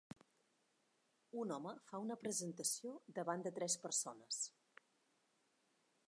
Un home fa una presentació davant de tres persones.